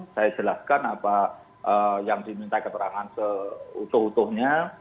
saya jelaskan apa yang diminta keterangan seutuh utuhnya